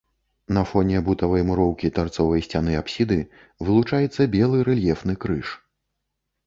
На фоне бутавай муроўкі тарцовай сцяны апсіды вылучаецца белы рэльефны крыж.